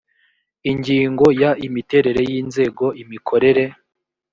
ingingo ya imiterere y inzego imikorere